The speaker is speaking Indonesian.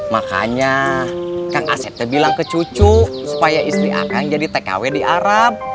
makanya kang asep itu bilang ke cucu supaya istri akan jadi tkw di arab